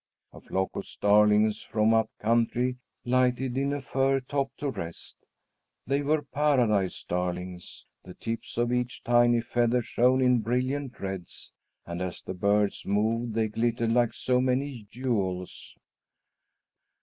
A flock of starlings from up country lighted in a fir top to rest. They were paradise starlings. The tips of each tiny feather shone in brilliant reds, and, as the birds moved, they glittered like so many jewels.